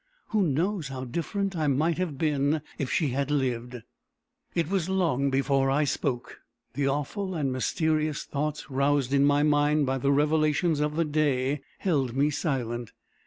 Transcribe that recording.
Who knows how different I might have been if she had lived!" It was long before I spoke. The awful and mysterious thoughts roused in my mind by the revelations of the day held me silent.